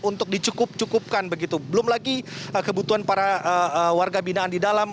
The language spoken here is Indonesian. untuk dicukup cukupkan begitu belum lagi kebutuhan para warga binaan di dalam